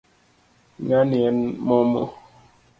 Ngani en momo